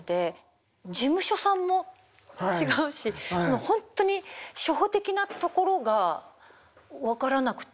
事務所さんも違うしほんとに初歩的なところが分からなくて。